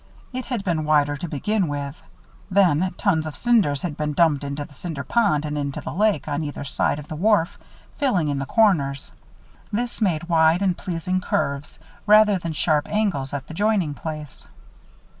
It had been wider to begin with. Then, tons of cinders had been dumped into the Cinder Pond and into the lake, on either side of the wharf; filling in the corners. This made wide and pleasing curves rather than sharp angles, at the joining place.